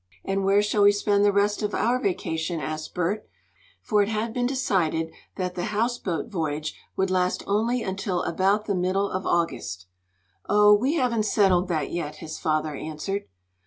"And where shall we spend the rest of our vacation?" asked Bert, for it had been decided that the houseboat voyage would last only until about the middle of August. "Oh, we haven't settled that yet," his father answered.